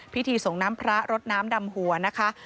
พิธีส่งน้ำพระรดน้ำดำหัวนะคะ